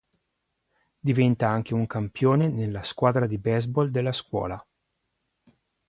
Diventa anche un campione nella squadra di baseball della scuola.